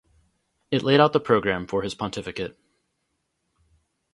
It laid out the program for his pontificate.